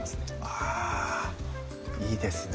あいいですね